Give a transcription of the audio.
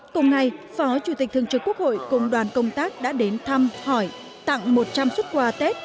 cùng ngày phó chủ tịch thường trực quốc hội cùng đoàn công tác đã đến thăm hỏi tặng một trăm linh xuất quà tết